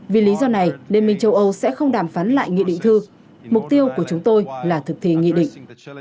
vì lý do này liên minh châu âu sẽ không đàm phán lại nghị định thư mục tiêu của chúng tôi là thực thi nghị định